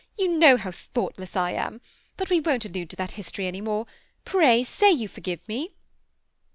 You know how thoughtless I am; but we won't allude to that history any more. Pray say you forgive me.